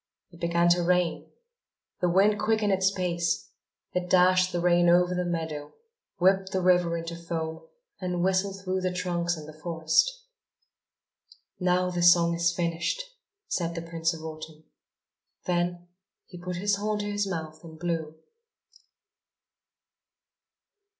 It began to rain. The wind quickened its pace: it dashed the rain over the meadow, whipped the river into foam and whistled through the trunks in the forest. "Now the song is finished!" said the Prince of Autumn. Then he put his horn to his mouth and blew.